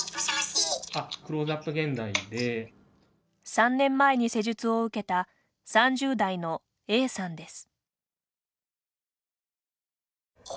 ３年前に施術を受けた３０代のＡさんです。